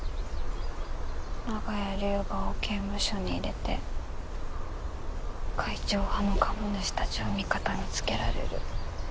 長屋龍河を刑務所に入れて会長派の株主たちを味方につけられる。